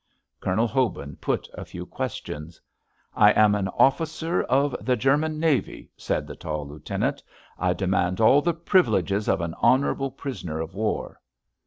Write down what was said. Colonel Hobin put a few questions. "I am an officer of the German Navy," said the tall lieutenant. "I demand all the privileges of an honourable prisoner of war."